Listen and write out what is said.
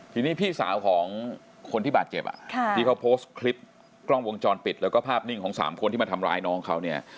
ทีนี้พี่สาวของคนที่บาดเจ็บที่เขาโพสต์คลิปกล้องวงจรปิดแล้วก็ภาพนิ่งของ๓คนที่มาทำร้ายน้องเขาเนี่ย